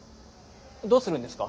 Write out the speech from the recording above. どうするんですか？